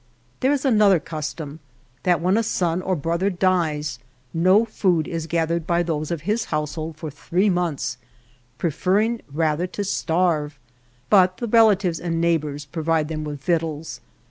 There is another custom, that when a son or brother dies no food is gathered by those of his household for three months, prefer ring rather to starve, but the relatives and neighbors provide them with victuals.